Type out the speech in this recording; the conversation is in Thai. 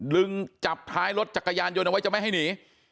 จับท้ายรถจักรยานยนต์เอาไว้จะไม่ให้หนี